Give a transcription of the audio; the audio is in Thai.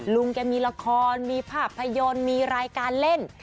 ลุงแกมีละครมีภาพยนตร์มีรายการเล่น